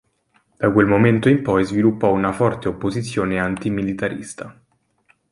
Da quel momento in poi sviluppò una forte opposizione antimilitarista.